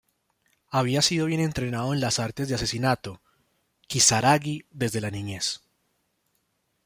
Había sido bien entrenado en las artes de asesinato "Kisaragi" desde la niñez.